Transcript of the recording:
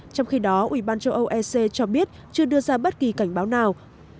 trong khi đó ủy ban châu âu ec cho biết chưa đưa ra bất kỳ cảnh báo nào